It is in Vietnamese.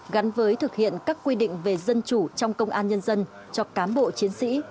gắn với thực hiện các quy định về dân chủ trong công an nhân dân cho cám bộ chiến sĩ